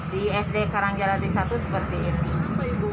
di sd karangjala d satu seperti ini